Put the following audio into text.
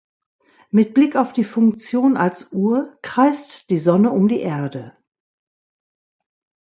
Mit Blick auf die Funktion als Uhr kreist die Sonne um die Erde.